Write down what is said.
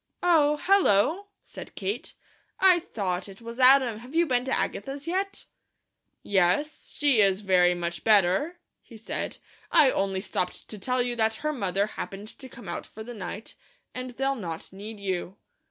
"Oh! Hello!" said Kate. "I thought it was Adam. Have you been to Agatha's yet?" "Yes. She is very much better," he said. "I only stopped to tell you that her mother happened to come out for the night, and they'll not need you."